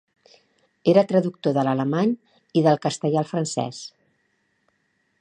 Era traductor de l'alemany i del castellà al francès.